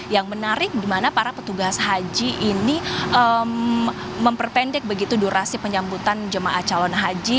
yang menarik di mana para petugas haji ini memperpendek begitu durasi penyambutan jemaah calon haji